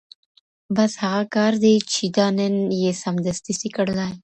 بس هغه کار دی چي دا نن یې سمدستي سې کړلای